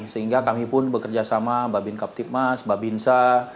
sehingga kami pun bekerja sama mbak bin kaptip mas mbak bin sa